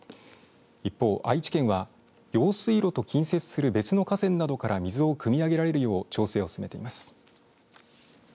一方、愛知県は用水路と近接する別の河川などから水をくみ上げられるよう調整を進めています。